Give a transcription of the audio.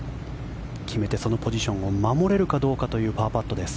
決めてそのポジションを守れるかどうかというパーパットです。